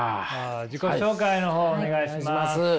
自己紹介の方お願いします。